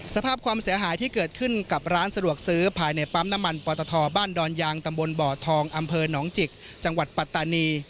สภาพความเสียหายที่เกิดขึ้นกับร้านสะดวกซื้อภายในปั๊มน้ำมันปตทบ้านดอนยางตำบลบ่อทองอำเภอหนองจิกจังหวัดปัตตานี